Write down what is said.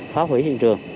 phá hủy hiện trường